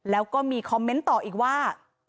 แล้วก็มีคอมเมนต์ต่ออีกว่า